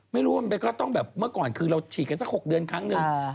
ไม่รู้มันก็ต้องแบบเมื่อก่อนคือเราฉีดกันสัก๖เดือนครั้งหนึ่ง